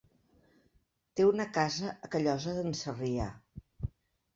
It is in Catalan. Té una casa a Callosa d'en Sarrià.